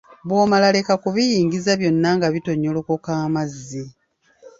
Bw‘omala leka kubiyingiza byonna nga bitonyolokoka amazzi.